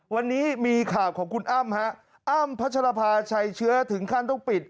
วันนี้มีข่าวของคุณอ้ำฮะอ้ำพัชรภาชัยเชื้อถึงขั้นต้องปิด